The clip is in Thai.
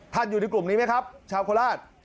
อยู่ในกลุ่มนี้ไหมครับชาวโคราช